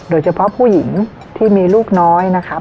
โดยเฉพาะผู้หญิงที่มีลูกน้อย